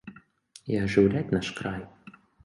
І ажыўляць наш край.